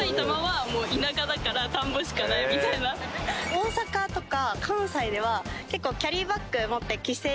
大阪とか。